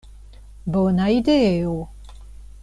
Bona ideo.